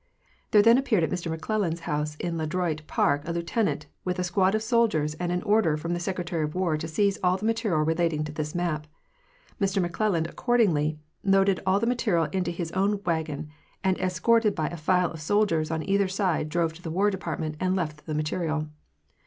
There then appeared at Mr McClel land's house in Le Droit park a lieutenant, with a squad of soldiers and an order from the Secretary of War to seize all the material relating to thismap. Mr McClelland accordingly loaded all the material into his own wagon and, escorted by a file of soldiers on either side, drove to the War Department and left the material.